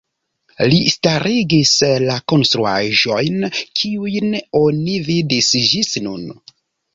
Li starigis la konstruaĵojn kiujn oni vidis ĝis nun.